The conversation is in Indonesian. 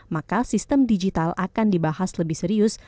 maka sistem digital akan dibahas lebih serius